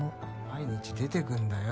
毎日出てくんだよ